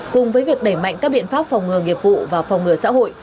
cùng với việc đẩy mạnh các biện pháp phòng ngừa nghiệp vụ và phòng ngừa xã hội